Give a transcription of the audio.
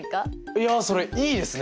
いやそれいいですね！